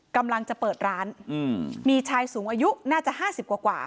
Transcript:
กำลังจะเปิดร้านอืมมีชายสูงอายุน่าจะห้าสิบกว่ากว่า